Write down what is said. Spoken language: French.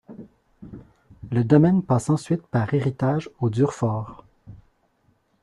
Le domaine passe ensuite par héritage aux Durfort.